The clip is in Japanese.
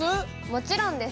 もちろんです。